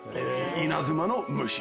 稲妻の虫。